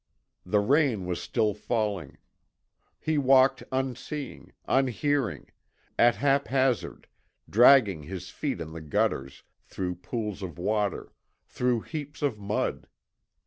The rain was still falling. He walked unseeing, unhearing, at haphazard, dragging his feet in the gutters through pools of water, through heaps of mud.